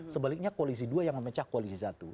sebaliknya koalisi dua yang memecah koalisi satu